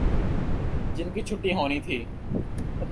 جن کی چھٹی ہونی تھی۔